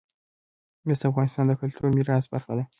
مس د افغانستان د کلتوري میراث برخه ده.